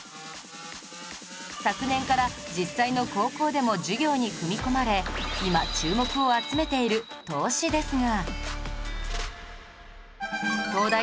昨年から実際の高校でも授業に組み込まれ今注目を集めている投資ですが